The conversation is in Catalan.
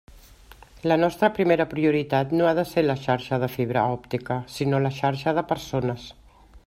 La nostra primera prioritat no ha de ser la xarxa de fibra òptica, sinó la xarxa de persones.